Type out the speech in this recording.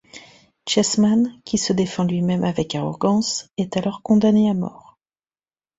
Chessman, qui se défend lui-même avec arrogance, est alors condamné à mort.